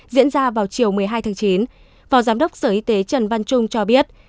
diễn ra vào chiều một mươi hai tháng chín phó giám đốc sở y tế trần văn trung cho biết